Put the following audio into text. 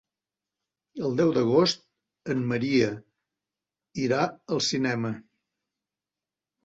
El deu d'agost en Maria irà al cinema.